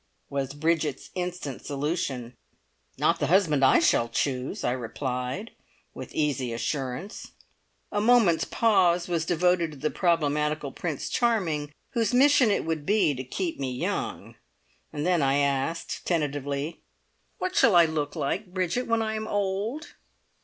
was Bridget's instant solution. "Not the husband I shall choose!" I replied with easy assurance. A moment's pause was devoted to the problematical Prince Charming whose mission it would be to keep me young, then I asked tentatively: "What shall I look like, Bridget, when I am old?"